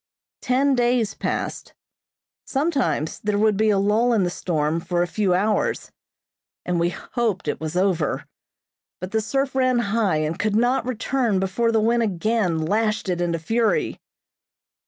Ten days passed. Sometimes there would be a lull in the storm for a few hours and we hoped it was over, but the surf ran high and could not return before the wind again lashed it into fury.